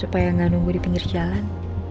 supaya nggak nunggu di pinggir jalan